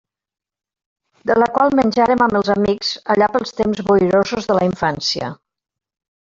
De la qual menjàrem amb els amics allà pels temps boirosos de la infància.